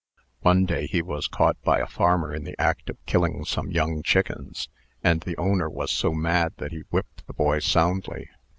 One day he was caught by a farmer in the act of killing some young chickens; and the owner was so mad, that he whipped the boy soundly.